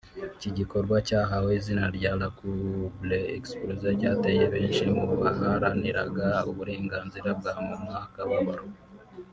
Iki gikorwa cyahawe izina rya La Coubre Explosion cyateye benshi mu baharaniraga uburenganzira bwa muntu akababaro